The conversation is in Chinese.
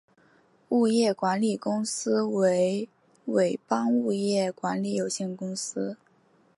物业管理公司为伟邦物业管理有限公司。